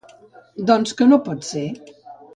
Doncs que no pot ser.